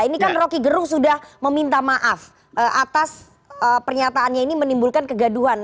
ini kan rocky gerung sudah meminta maaf atas pernyataannya ini menimbulkan kegaduhan